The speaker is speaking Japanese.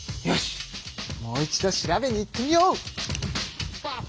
もう一度調べに行ってみよう！